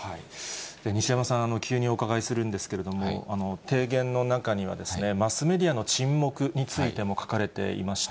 西山さん、急にお伺いするんですけども、提言の中には、マスメディアの沈黙についても書かれていました。